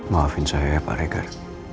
maafin saya pak regar